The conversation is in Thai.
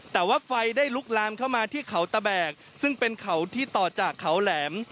แต่ว่าไฟได้ลุกลามเข้ามาที่เขาตะแบกซึ่งเป็นเขาที่ต่อจากเขาแหลม